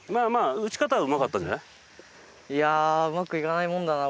打ち方はうまかったんじゃない？